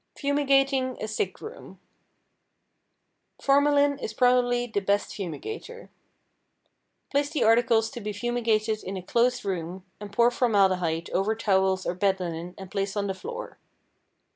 =Fumigating a Sick Room.= Formalin is probably the best fumigator. Place the articles to be fumigated in a closed room, and pour formaldehyde over towels or bed linen and place on the floor.